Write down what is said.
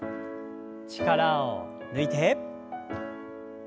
力を抜いて。